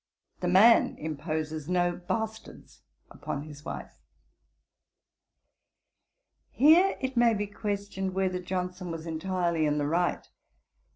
The man imposes no bastards upon his wife.' Here it may be questioned whether Johnson was entirely in the right.